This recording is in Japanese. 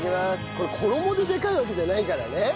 これ衣ででかいわけじゃないからね。